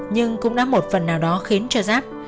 nhưng cũng đã một phần nào đó khiến cho rác